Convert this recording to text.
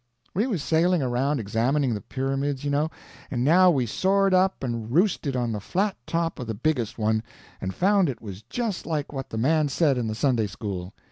We was sailing around examining the pyramids, you know, and now we soared up and roosted on the flat top of the biggest one, and found it was just like what the man said in the Sunday school.